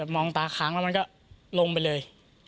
มองตาค้างแล้วมันก็ลงไปเลย